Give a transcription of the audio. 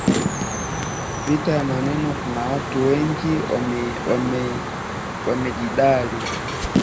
Vita vya maneno kuna watu ni majemedari